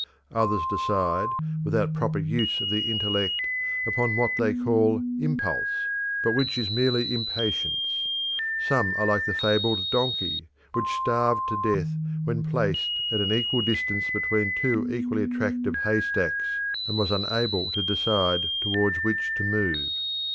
Others decide, without proper use of the intellect, upon what they call "impulse," but which is merely impatience. Some are like the fabled donkey which starved to death when placed at an equal distance between two equally attractive haystacks and was unable to decide towards which to move.